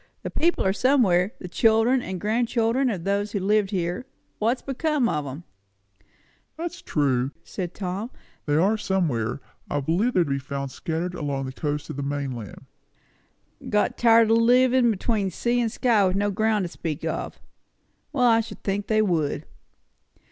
The people are somewhere the children and grandchildren of those that lived here; what's become of 'em?" "That's true," said Tom; "they are somewhere. I believe they are to be found scattered along the coast of the mainland." "Got tired o' livin' between sea and sky with no ground to speak of. Well, I should think they would!"